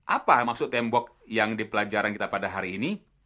apa maksud tembok yang dipelajaran kita pada hari ini